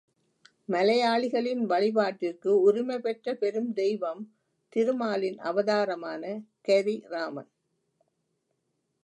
மலையாளிகளின் வழிபாட்டிற்கு உரிமை பெற்ற பெருந் தெய்வம் திருமாலின் அவதாரமான கரிராமன்.